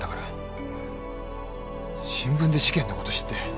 新聞で事件のこと知って。